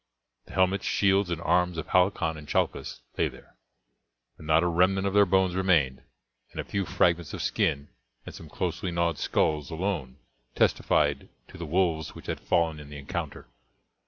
The helmets, shields and arms of Halcon and Chalcus lay there, but not a remnant of their bones remained, and a few fragments of skin and some closely gnawed skulls alone testified to the wolves which had fallen in the encounter.